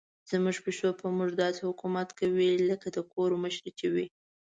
زموږ پیشو په موږ داسې حکومت کوي لکه د کور مشره چې وي.